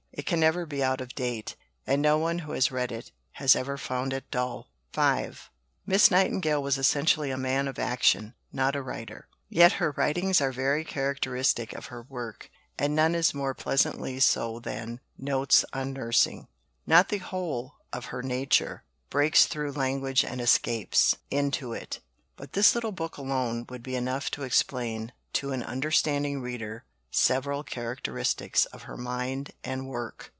It can never be out of date, and no one who has read it has ever found it dull. Bibliography A, No. 32. V Miss Nightingale was essentially a "man of action," not a writer. Yet her writings are very characteristic of her work, and none is more pleasantly so than Notes on Nursing. Not the whole of her nature "breaks through language and escapes" into it, but this little book alone would be enough to explain to an understanding reader several characteristics of her mind and work.